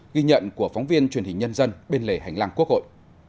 ghi nhận của phóng viên truyền hình nhân dân bên lề hành lang quốc hội